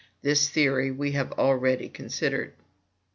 This theory we have already considered.